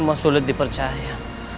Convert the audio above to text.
semua sulit dipercaya